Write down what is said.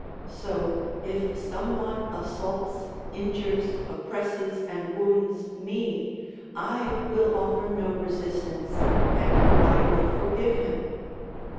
So, if some one assaults, injures, oppresses, and wounds me, I will offer no resistance, and I will forgive him.